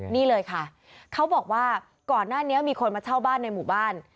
นี่เลยค่ะเขาบอกว่าก่อนหน้านี้มีคนมาเช่าบ้านในหมู่บ้าน